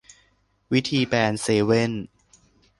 วิธีแบนเซเว่น